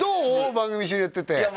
番組一緒にやってていや